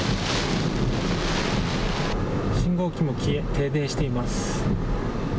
信号機も消え、停電しています。